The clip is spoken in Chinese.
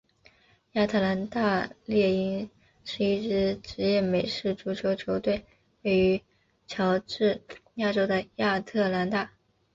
亚特兰大猎鹰是一支职业美式足球球队位于乔治亚州的亚特兰大。